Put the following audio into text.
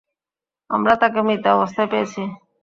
আমরা তাকে মৃত অবস্থায় পেয়েছি।